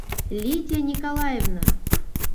Лидия Николаевна!